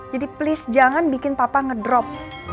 jadi please jangan bikin papa ngedrop